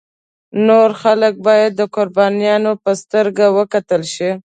نور خلک باید د قربانیانو په سترګه وکتل شي.